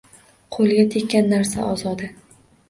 Qo‘li tekkan narsa – ozoda.